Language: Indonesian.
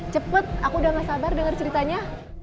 cepet aku udah gak sabar dengar ceritanya